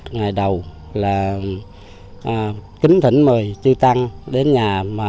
ngày đầu là kính thỉnh mời chư tăng đến nhà